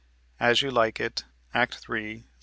(As You Like It, Act 3, Sc.